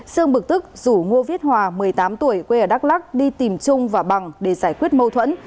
sương bực tức rủ ngô viết hòa một mươi tám tuổi quê ở đắk lắc đi tìm trung và bằng để giải quyết mâu thuẫn